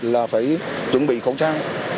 là phải chuẩn bị khẩu trang